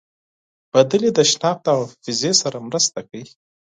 سندرې د شناخت او حافظې سره مرسته کوي.